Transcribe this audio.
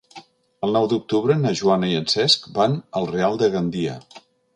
El nou d'octubre na Joana i en Cesc van al Real de Gandia.